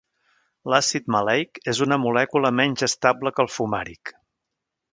L'àcid maleic és una molècula menys estable que el fumàric.